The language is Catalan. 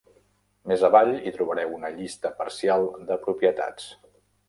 Més avall hi trobareu una llista parcial de propietats.